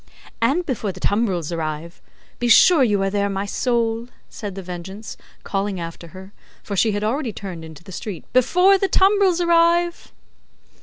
"And before the tumbrils arrive. Be sure you are there, my soul," said The Vengeance, calling after her, for she had already turned into the street, "before the tumbrils arrive!"